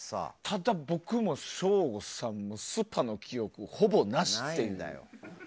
ただ、僕も省吾さんもスパの記憶がほぼなしっていう。